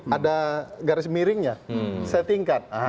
ada garis miringnya setingkat